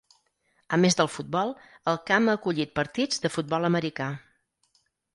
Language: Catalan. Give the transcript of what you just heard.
A més del futbol, el camp ha acollit partits de futbol americà.